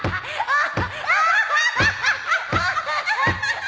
ああ。